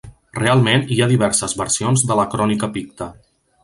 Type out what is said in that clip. Realment hi ha diverses versions de la Crònica picta.